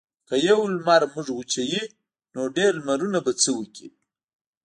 که یو لمر موږ وچوي نو ډیر لمرونه به څه وکړي.